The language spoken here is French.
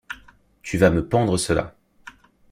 Tu vas me pendre cela.